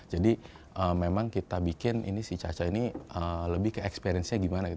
jadi memang kita bikin si lafcaca ini lebih ke experience nya gimana